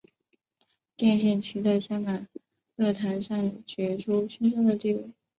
奠定其在香港乐坛上举足轻重的地位。